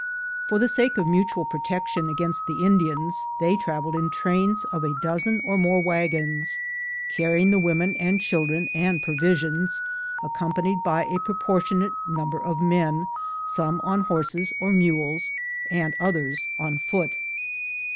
For the sake of mutual protection against the Indians, they traveled in trains of a dozen or more wagons, carrying the women and children and provisions, ac companied by a proportionate number of men, some on horses or mules, and others on foot.